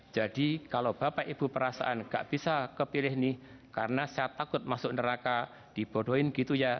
jadi kalau bapak ibu perasaan gak bisa kepilih nih karena saya takut masuk neraka dibodohin gitu ya